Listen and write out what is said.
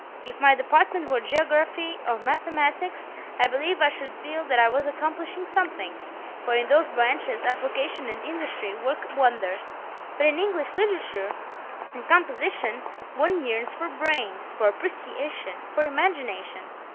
If my department were geography or mathematics, I believe I should feel that I was accomplishing something, for in those branches application and industry work wonders; but in English literature and composition one yearns for brains, for appreciation, for imagination!